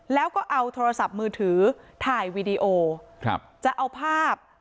แล้วก็เอาโทรศัพท์มือถือถ่ายวีดีโอครับจะเอาภาพ